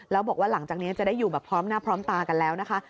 แล้วบอกว่าหลังจากนี้จะได้อยู่แบบพร้อมหน้าพร้อมตากันแล้วนะคะ